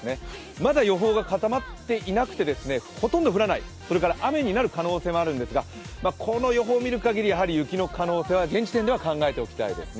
まだ予報が固まっていなくて、ほとんど降らない、それから雨になる可能性もあるんですがこの予報を見るかぎり、雪の可能性は現時点では考えていきたいですね。